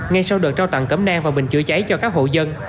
ngay sau đợt trao tặng cẩm nang và bình chữa cháy cho các hộ dân